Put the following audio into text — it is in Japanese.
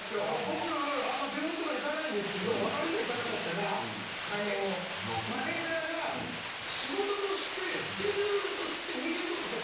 僕あんま病院とか行かないんですけどあまりに行かなかったらマネージャーが仕事としてスケジュールとして。